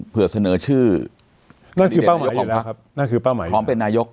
เพื่อเสนอชื่อนั่นคือเป้าหมายของพักนั่นคือเป้าหมายพร้อมเป็นนายก